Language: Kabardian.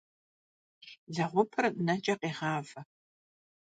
Leğupır neç'e khêğave.